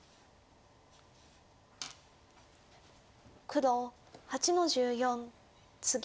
黒８の十四ツギ。